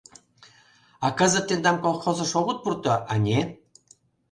А кызыт тендам колхозыш огыт пурто, ане?..